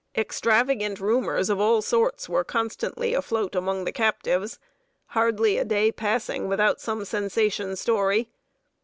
Extravagant rumors of all sorts were constantly afloat among the captives; hardly a day passing without some sensation story.